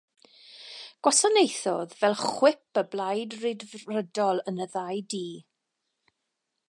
Gwasanaethodd fel Chwip y Blaid Ryddfrydol yn y ddau dŷ.